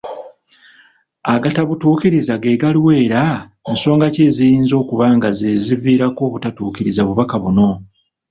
Agatabutuukiriza geegaliwa era nsonga ki eziyinza okuba nga ze ziviirako obutatuukiriza bubaka buno?.